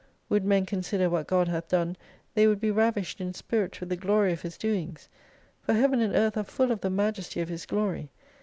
Would men consider what God hath done, they would be ravished in spirit with the glory of His doings. For Heaven and Earth are full of the majesty of His glory.